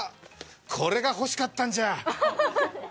これが欲しかったんじゃ！